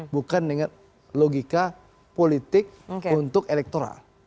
bukan dengan logika politik untuk elektoral